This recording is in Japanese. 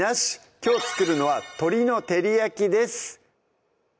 きょう作るのは「鶏の照り焼き」です